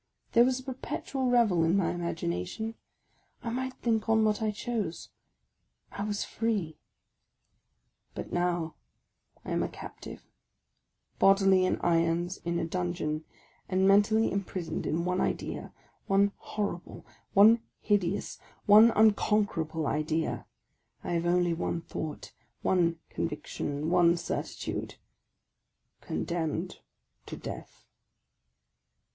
There was a per petual revel in my imagination: I might think on what I chose, — I was free. But now, — I am a Captive ! Bodily in irons in a dungeon, and mentally imprisoned in one idea, — one horrible, one hideous, one unconquerable idea! I have only one thought, one conviction, one certitude, — Condemned to death!